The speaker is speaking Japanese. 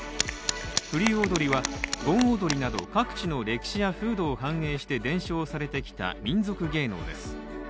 風流踊は、盆踊りなど各地の歴史や風土を反映して伝承されてきた民俗芸能です。